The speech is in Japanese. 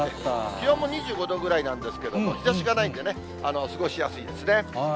気温も２５度ぐらいなんですけども、日ざしがないんでね、過ごしやすいですね。